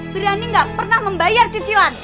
berani nggak pernah membayar cicilan